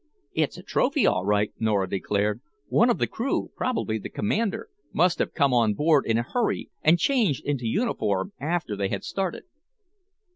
"It's a trophy, all right," Nora declared. "One of the crew probably the Commander must have come on board in a hurry and changed into uniform after they had started."